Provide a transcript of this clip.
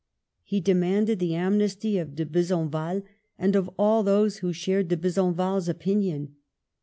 He demanded the amnesty of De Besenval and of all those who shared De Besenval's opinion.